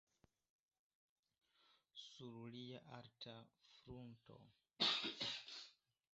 Sur lia alta frunto.